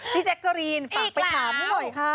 พี่แจ๊กกะรีนฝากไปถามหน่อยค่ะพี่แจ๊กกะรีนฝากไปถามหน่อยค่ะ